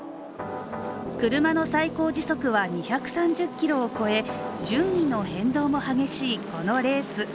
車の最高時速は２３０キロを超え、順位の変動も激しい、このレース。